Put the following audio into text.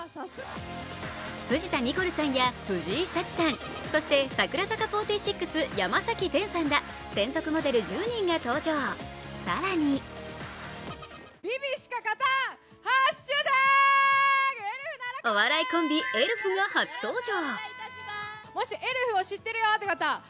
藤田ニコルさんや、藤井サチさん、そして櫻坂４６・山崎天さんら専属モデル１０人が登場、更にお笑いコンビ、エルフが初登場。